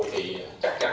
và sẽ không bắt được